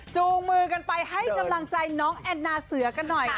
จูงมือกันไปให้กำลังใจน้องแอนนาเสือกันหน่อย